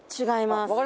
違います。